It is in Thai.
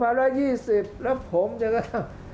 ภาคอีสานแห้งแรง